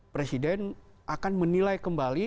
presiden akan menilai kembali